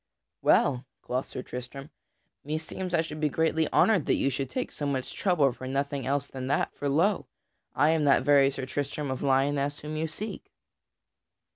"Well," quoth Sir Tristram, "meseems I should be greatly honored that you should take so much trouble for nothing else than that; for lo! I am that very Sir Tristram of Lyonesse whom you seek."